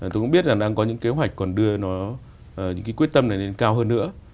tôi cũng biết rằng đang có những kế hoạch còn đưa những quyết tâm này lên cao hơn nữa